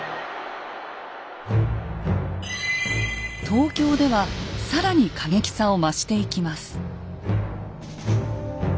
東京では更に過激さを増していきます。